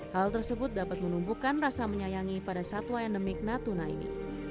hal tersebut dapat menumbuhkan rasa menyayangi pada satwa endemik natuna ini